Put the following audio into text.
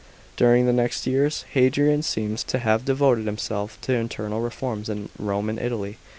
During the next years, Hadrian seems to have devoted himself to internal reforms in Rome and Italy.